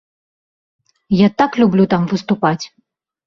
Я так люблю там выступаць!